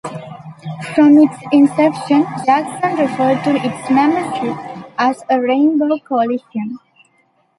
From its inception, Jackson referred to its membership as a Rainbow Coalition.